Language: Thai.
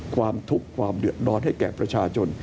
ความทุกข์ความเดือดร้อนให้แก่ประชาชน